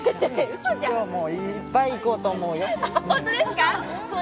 今日もいっぱい行こうと思うよ。